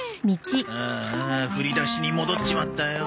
あーあ振り出しに戻っちまったよ。